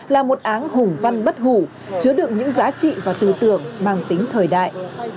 là một áng hùng văn bất hủ chứa được những giá trị và tư tưởng mang tính thời đại